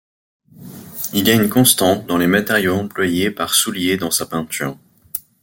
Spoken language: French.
Il y a une constante dans les matériaux employés par Soulié dans sa peinture.